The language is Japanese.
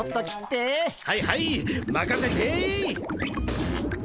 はいはいまかせて。